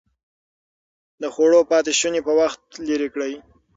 د خوړو پاتې شوني په وخت لرې کړئ.